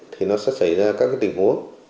thì nó sẽ xảy ra các tình huống